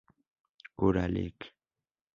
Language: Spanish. Cura Lic.